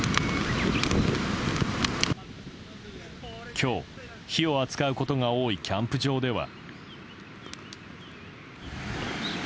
今日、火を扱うことが多いキャンプ場では。